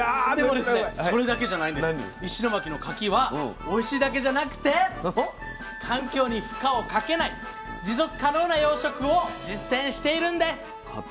石巻のかきはおいしいだけじゃなくて環境に負荷をかけない持続可能な養殖を実践しているんです。